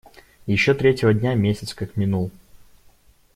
Еще третьего дня месяц как минул.